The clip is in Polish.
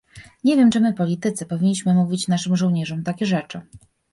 Nie wiem czy my, politycy, powinniśmy mówić naszym żołnierzom takie rzeczy